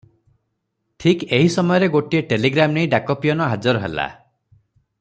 ଠିକ୍ ଏହି ସମୟରେ ଗୋଟିଏ ଟେଲିଗ୍ରାମ ନେଇ ଡାକ ପିଅନ ହାଜର ହେଲା ।